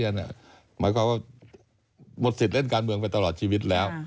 หมายความว่าหมดสิทธิ์เล่นการเมืองไปตลอดชีวิตแล้ว